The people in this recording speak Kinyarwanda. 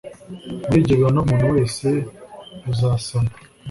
Muri ibyo bihano umuntu wese uzasana